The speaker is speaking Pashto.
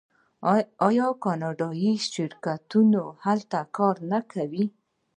آیا کاناډایی شرکتونه هلته کار نه کوي؟